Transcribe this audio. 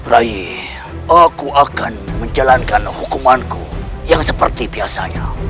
ray aku akan menjalankan hukumanku yang seperti biasanya